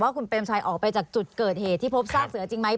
คุณเปรมชัยออกไปจากจุดเกิดเหตุที่พบซากเสือจริงไหม